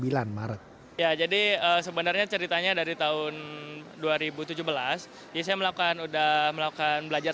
bulan maret ya jadi sebenarnya ceritanya dari tahun dua ribu tujuh belas ya saya melakukan udah melakukan belajar